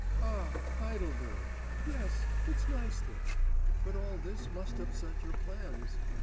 'Ah! Heidelberg.... Yes.... It's nice there.... But all this must upset your plans.